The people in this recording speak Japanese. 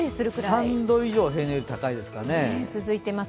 ３度以上、平年より高いですかね